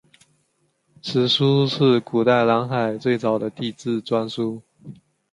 此书是古代南海最早的地志专书。